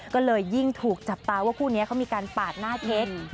ก็เลยยิ่งถูกจับตาว่าคู่นี้เขามีการปาดหน้าเพชร